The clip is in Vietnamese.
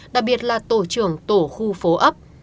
đặc biệt là tổ trưởng tổ khu phố ấp